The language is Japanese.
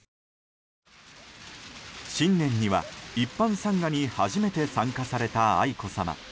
新年には一般参賀に初めて参加された愛子さま。